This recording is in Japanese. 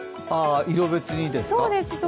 色別にですか。